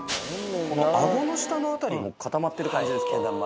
あごの下辺りも固まってる感じなのは。